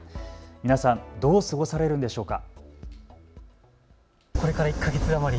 皆さん、どう過ごされるんでしょうか。